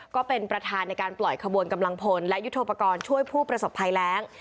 ก็เป็นประธานในการปล่อยขบวนกำลังพลและยุทธโปรกรณ์ช่วยผู้ประสบภัยแรง